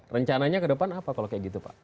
rencananya ke depan apa kalau kayak gitu pak